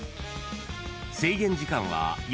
［制限時間は４分］